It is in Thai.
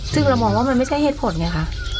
ซึ่งเรามองว่ามันไม่ใช่เหตุผลไงคะ